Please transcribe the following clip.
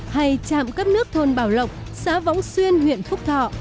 hay trạm cấp nước thôn bảo lộc xã võng xuyên huyện phúc thọ